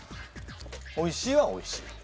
おいしいはおいしい？